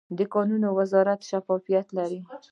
د کانونو وزارت شفافیت لري؟